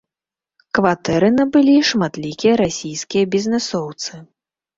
Кватэры набылі шматлікія расійскія бізнэсоўцы.